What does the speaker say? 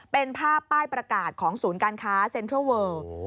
เป็นภาพป้ายประกาศของศูนย์การค้าเซ็นทรัลเวอร์